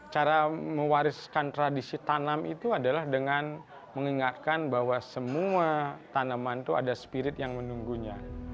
cara mewariskan tradisi tanam itu adalah dengan mengingatkan bahwa semua tanaman itu ada spirit yang menunggunya